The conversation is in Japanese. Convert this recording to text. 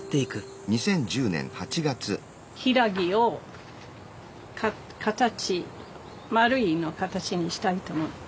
ヒイラギを形丸いの形にしたいと思って。